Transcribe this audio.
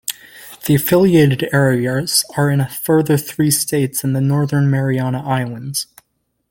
The affiliated areas are in a further three states and the Northern Mariana Islands.